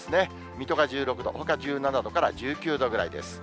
水戸が１６度、ほか１７度から１９度ぐらいです。